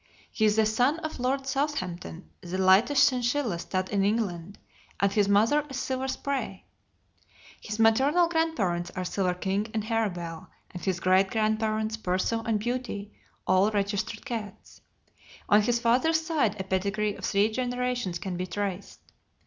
He is the son of Lord Southampton, the lightest chinchilla stud in England (N.C.C.S.B. 1690), and his mother is Silver Spray, No. 1542. His maternal grandparents are Silver King and Harebell, and his great grandparents Perso and Beauty, all registered cats. On his father's side a pedigree of three generations can be traced.